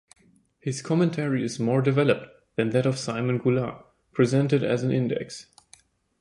His commentary is more developed than that of Simon Goulart, presented as an index.